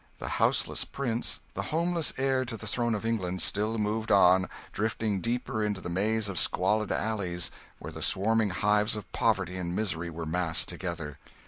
The houseless prince, the homeless heir to the throne of England, still moved on, drifting deeper into the maze of squalid alleys where the swarming hives of poverty and misery were massed together.